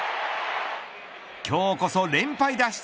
今日こそ連敗脱出